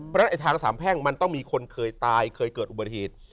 เพราะฉะนั้นทางสามแพ่งมันต้องมีคนเคยตายเคยเกิดอุบัติเหตุ